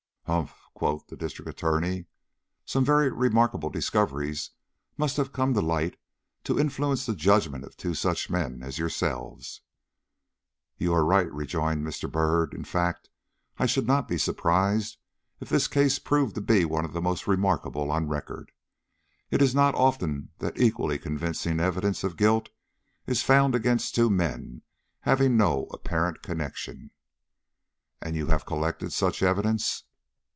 "Humph!" quoth the District Attorney. "Some very remarkable discoveries must have come to light to influence the judgment of two such men as yourselves." "You are right," rejoined Mr. Byrd. "In fact, I should not be surprised if this case proved to be one of the most remarkable on record. It is not often that equally convincing evidence of guilt is found against two men having no apparent connection." "And have you collected such evidence?"